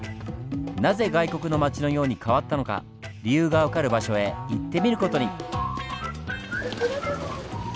なぜ外国の町のように変わったのか理由が分かる場所へ行ってみる事に。